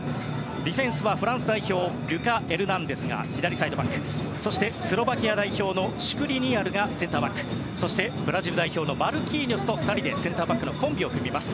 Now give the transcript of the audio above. ディフェンスはフランス代表リュカ・エルナンデスが左サイドバックそして、スロバキア代表のシュクリニアルがブラジル代表マルキーニョスと２人でセンターバックのコンビを組みます。